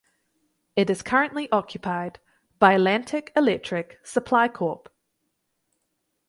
It is currently occupied by Atlantic Electric Supply Corp.